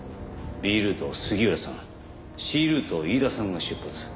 Ｂルートを杉浦さんＣルートを飯田さんが出発。